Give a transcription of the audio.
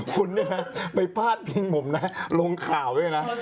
คุณเนี่ยภาพเพียงผมนะลงข่าวด้วยนะ